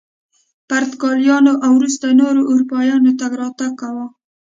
پرتګالیانو او وروسته نورو اروپایانو تګ راتګ کاوه.